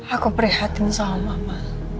aku prihatin sama mama